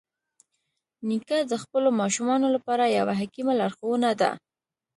نیکه د خپلو ماشومانو لپاره یوه حکیمه لارښوونه ده.